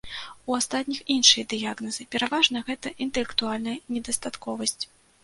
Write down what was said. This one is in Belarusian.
У астатніх іншыя дыягназы, пераважна, гэта інтэлектуальная недастатковасць.